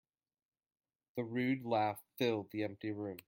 The rude laugh filled the empty room.